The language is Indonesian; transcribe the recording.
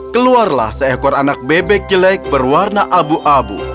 keluarlah seekor anak bebek jelek berwarna abu abu